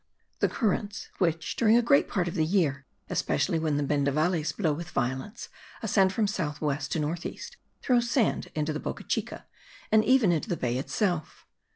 The currents which, during a great part of the year, especially when the bendavales blow with violence, ascend from south west to north east, throw sand into the Boca Chica, and even into the bay itself.